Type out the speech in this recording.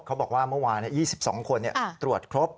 เขาบอกว่าเมื่อวาน๒๒คนตรวจครบ